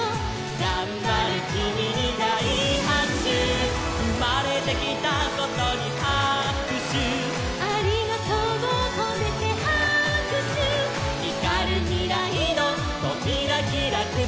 「がんばるキミにだいはくしゅ」「うまれてきたことにはくしゅ」「『ありがとう』をこめてはくしゅ」「ひかるみらいのとびらひらくそのてで」